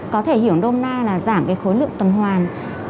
có thể hiểu đôm na là giảm cái khối lượng tuần hoàn